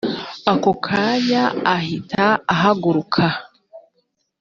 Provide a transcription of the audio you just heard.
ako kanya ahita ahaguruka